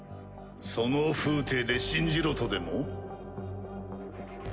その風体で信じろとでも？